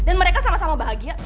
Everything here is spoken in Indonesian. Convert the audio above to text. dan mereka sama sama bahagia